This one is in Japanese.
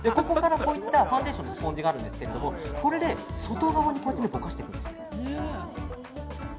ここからこういったファンデーションのスポンジがあるんですけどこれを外側にぼかしていくんです。